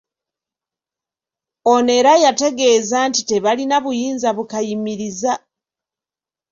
Ono era yategeeza nti tebalina buyinza bukayimiriza.